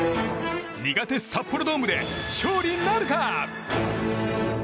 苦手、札幌ドームで勝利なるか。